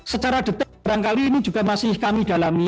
secara detail barangkali ini juga masih kami dalami